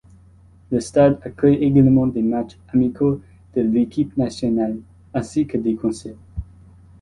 Le stade accueille également des matches amicaux de l'équipe nationale, ainsi que des concerts.